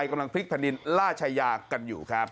แล้วกำลังหลบหนีไปกำลังพลิกพะนินล่าชายากันอยู่ครับ